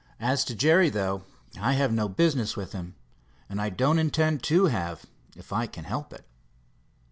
As to Jerry, though, I have no business with him, and don't intend to have if I can help it."